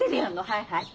はいはい。